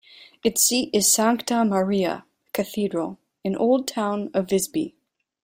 Its seat is Sankta Maria cathedral in old town of Visby.